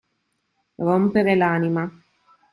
Rompere l'anima.